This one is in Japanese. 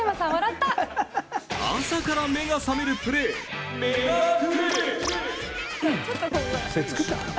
朝から目が覚めるプレーメガプレ。